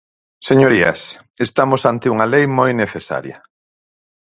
Señorías, estamos ante unha lei moi necesaria.